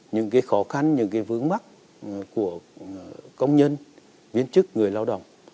những khó khăn những vướng mắt của công nhân viên chức người lao động